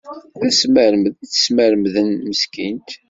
D asmermed i tt-smermden meskint.